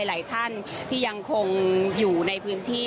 หลายท่านที่ยังคงอยู่ในพื้นที่